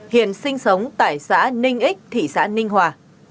hiện sinh sống tại xã ninh ích thị xã ninh hòa